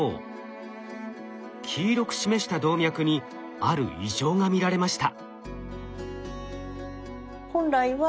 黄色く示した動脈にある異常が見られました。